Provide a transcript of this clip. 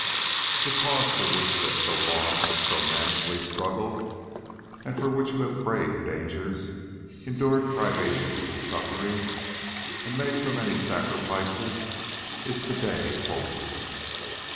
_The cause for which you have so long and so manfully struggled, and for which you have braved dangers, endured privations and sufferings, and made so many sacrifices, is today hopeless....